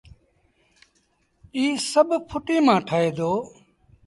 ايٚ سڀ ڦُٽيٚ مآݩ ٺهي دو